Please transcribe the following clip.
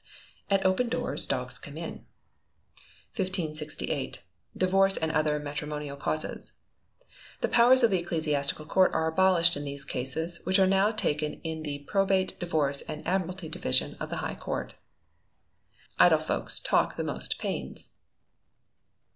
[AT OPEN DOORS DOGS COME IN.] 1568. Divorce and other Matrimonial Causes. The powers of the Ecclesiastical Court are abolished in these cases, which are now taken in the Probate, Divorce, and Admiralty Division of the High Court. [IDLE FOLKS TAKE THE MOST PAINS.